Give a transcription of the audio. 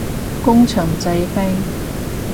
工場製冰